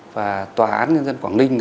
và tòa án nhân dân quảng ninh